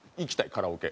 カラオケ。